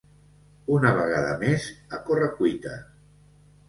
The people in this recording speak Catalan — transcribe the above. Una vegada més a corre-cuita.